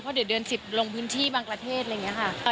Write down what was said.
เพราะเดี๋ยวเดือน๑๐ลงพื้นที่บางประเทศอะไรอย่างนี้ค่ะ